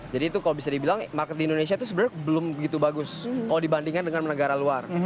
itu kalau bisa dibilang market di indonesia itu sebenarnya belum begitu bagus kalau dibandingkan dengan negara luar